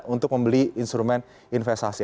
untuk membeli instrumen investasi